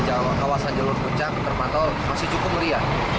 di kawasan jalur puncak termantau masih cukup meriah